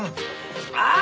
ああ！